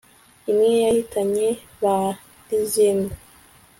imwe yahitanye ba lizinde